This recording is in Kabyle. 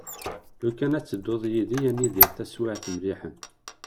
Lukan ad tedduḍ d yid-i ad nidir tasaɛet melliḥen.